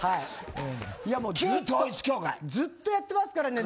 ずっとやってますからね。